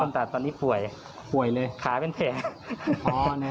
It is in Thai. คนตัดตอนนี้ป่วยป่วยเลยขาเป็นแผงอ๋อน่ะ